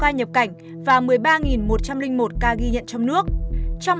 ca nhập cảnh và một mươi ba một trăm linh một ca ghi nhận trong nước